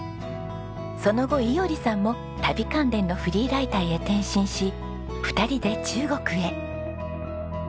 その後衣織さんも旅関連のフリーライターへ転身し２人で中国へ。